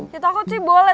ya takut sih boleh